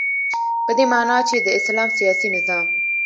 په دی معنا چی د اسلام سیاسی نظام